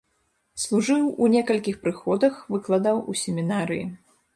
Служыў у некалькіх прыходах, выкладаў у семінарыі.